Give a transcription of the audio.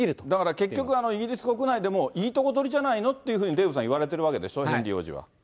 だから結局、イギリス国内でもいいとこどりじゃないのっていうふうに、デーブさん、言われてるわけですね、ヘンリー王子は。